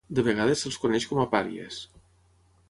De vegades, se'ls coneix com a pàries.